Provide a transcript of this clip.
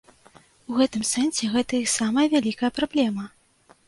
У гэтым сэнсе гэта іх самая вялікая праблема.